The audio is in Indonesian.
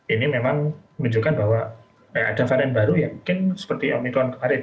ini memang menunjukkan bahwa ada varian baru ya mungkin seperti omikron kemarin